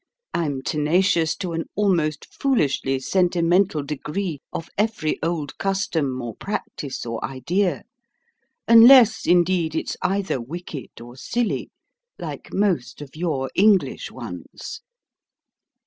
I'm tenacious to an almost foolishly sentimental degree of every old custom or practice or idea; unless, indeed, it's either wicked or silly like most of your English ones."